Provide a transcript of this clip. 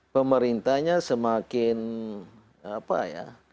pemerintahnya semakin apa ya